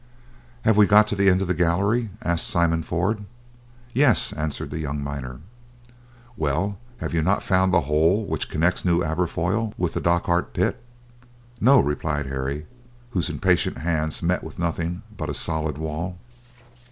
"Have we got to the end of the gallery?" asked Simon Ford. "Yes," answered the young miner. "Well! have you not found the hole which connects New Aberfoyle with the Dochart pit?" "No," replied Harry, whose impatient hands met with nothing but a solid wall.